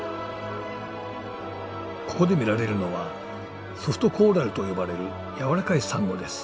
ここで見られるのはソフトコーラルと呼ばれる柔らかいサンゴです。